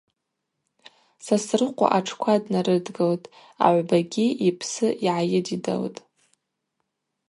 Сосрыкъва атшква днарыдгылтӏ, агӏвбагьи апсы йгӏайыдидалтӏ.